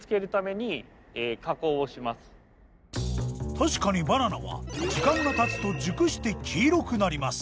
確かにバナナは時間がたつと熟して黄色くなります。